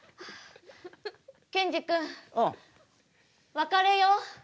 別れよう。